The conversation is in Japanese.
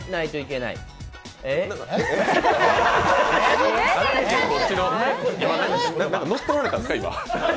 なんか乗っ取られたんですか、今。